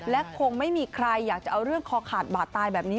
และคงไม่มีใครอยากจะเอาเรื่องคอขาดบาดตายแบบนี้